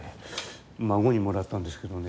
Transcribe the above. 孫にもらったんですけどね。